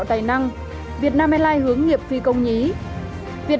đấy là cái trang phápết